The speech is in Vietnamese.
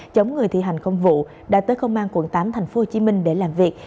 chống người thị hành không vụ đã tới công an quận tám tp hcm để làm việc